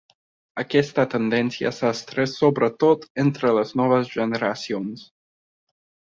Aquesta tendència s’ha estès sobretot entre les noves generacions.